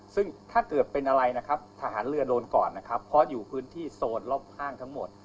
ซึ่งถ้าเกิดเป็นอะไรนะครับทหารเรือโดนก่อนนะครับเพราะอยู่พื้นที่โซนรอบข้างทั้งหมด